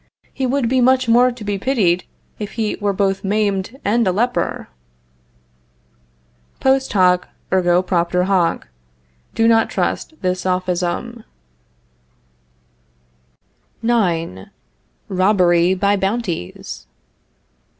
He would be much more to be pitied if he was both maimed and a leper." Post hoc, ergo propter hoc; do not trust this sophism. IX. ROBBERY BY BOUNTIES.